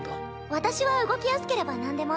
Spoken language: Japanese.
私は動きやすければなんでも。